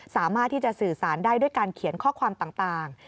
สามารถที่จะสื่อสารได้ด้วยการเขียนข้อความต่าง